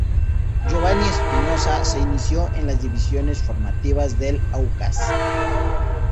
Giovanny Espinoza se inició en las divisiones formativas del Aucas.